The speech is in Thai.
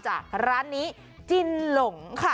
จากร้านจิ้นการ์ลงค่ะ